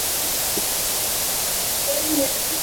তুমি কি জানো, ভায়োলেটের বিয়ের পর আর আমার রয়েল হোটেলে যাওয়া হয়নি।